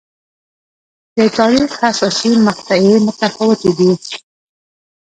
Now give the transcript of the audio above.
د تاریخ حساسې مقطعې متفاوتې دي.